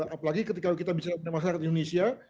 apalagi ketika kita bicara dengan masyarakat di indonesia